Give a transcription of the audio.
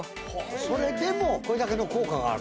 それでもこれだけの効果がある。